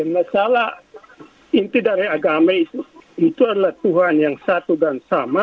masalah inti dari agama itu adalah tuhan yang satu dan sama